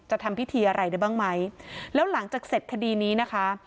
ทำพิธีอะไรได้บ้างไหมแล้วหลังจากเสร็จคดีนี้นะคะ